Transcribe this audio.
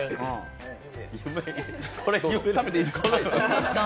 食べていいですか？